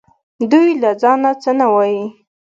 دوی له ځانه څه نه وايي